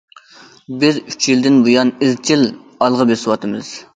بىز ئۈچ يىلدىن بۇيان ئىزچىل ئالغا بېسىۋاتىمىز.